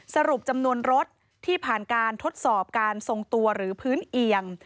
สรุปจำนวนรถที่ผ่านการทดสอบการทรงตัวหรือพื้นเอียง